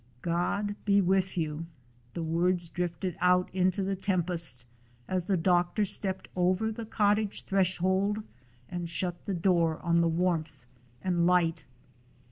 "God be with you." The words drifted out into the tempest, as the doctor stepped over the cottage threshold and shut the door on the warmth and light.